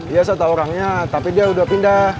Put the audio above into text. iya satu orangnya tapi dia udah pindah